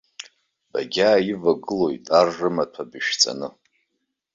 Багьааивагылоит ар рымаҭәа бышәҵаны.